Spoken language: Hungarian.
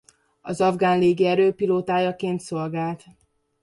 Az afgán légierő pilótájaként szolgált.